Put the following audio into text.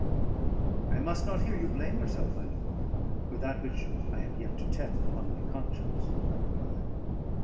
"I must not hear you blame yourself, my lord, with that which I have yet to tell upon my conscience," I replied.